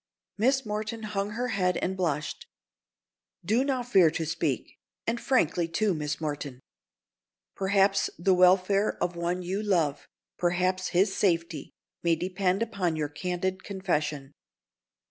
Miss Morton hung her head and blushed. "Do not fear to speak, and frankly, too, Miss Morton. Perhaps the welfare of one you love—perhaps his safety, may depend upon your candid confession."